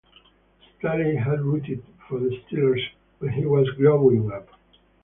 Staley had rooted for the Steelers when he was growing up.